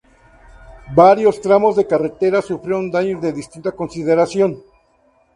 Varios tramos de carretera sufrieron daños de distinta consideración.